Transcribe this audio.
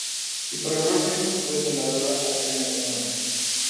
Su programación fue trasladada al primer canal.